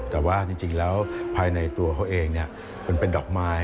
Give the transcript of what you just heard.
แต่ว่าจริงแล้วภายในตัวเขาเองมันเป็นดอกไม้